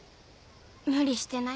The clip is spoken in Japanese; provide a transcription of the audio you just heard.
無理してない？